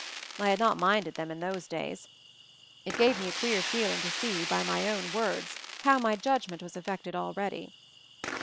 I had not minded them in those days. It gave me a queer feeling to see by my own words how my judgment was affected already.